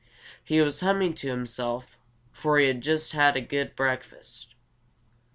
He was humming to himself, for he had just had a good breakfast.